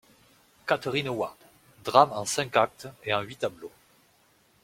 =Catherine Howard.= Drame en cinq actes et en huit tableaux.